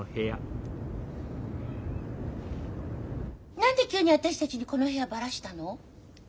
何で急に私たちにこの部屋バラしたの？